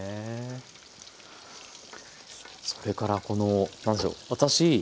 それからこの何でしょう私